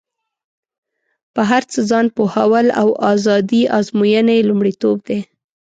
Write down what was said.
په هر څه ځان پوهول او ازادي ازموینه یې لومړیتوب دی.